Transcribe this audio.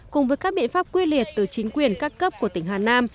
cùng với các biện pháp quy liệt từ chính quyền các cấp của tỉnh hà nam